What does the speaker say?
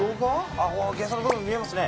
あぁゲソの部分見えますね！